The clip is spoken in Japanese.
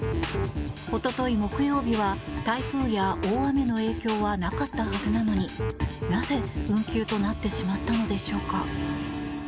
一昨日、木曜日は台風や大雨の影響はなかったはずなのになぜ運休となってしまったのでしょうか？